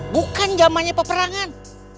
bukan zamannya peperangan